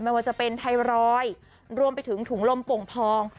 ไม่ว่าจะเป็นไทรอยด์รวมไปถึงถุงลมโป่งพอง